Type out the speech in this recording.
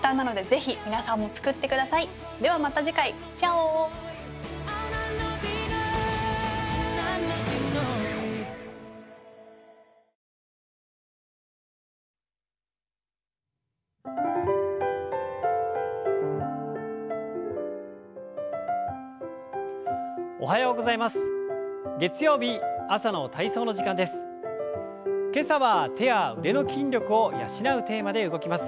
今朝は手や腕の筋力を養うテーマで動きます。